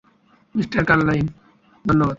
Mister Carlyle, ধন্যবাদ।